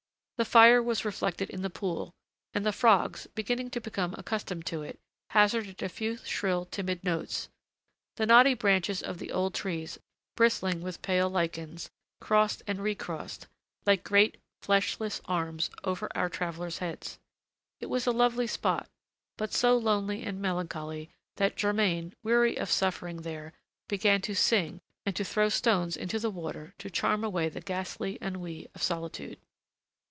The fire was reflected in the pool; and the frogs, beginning to become accustomed to it, hazarded a few shrill, timid notes; the knotty branches of the old trees, bristling with pale lichens, crossed and recrossed, like great fleshless arms, over our travellers' heads; it was a lovely spot, but so lonely and melancholy that Germain, weary of suffering there, began to sing and to throw stones into the water to charm away the ghastly ennui of solitude.